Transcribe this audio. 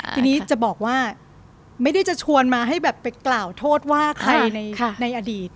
ทีนี้จะบอกว่าไม่ได้จะชวนมาให้แบบไปกล่าวโทษว่าใครในอดีต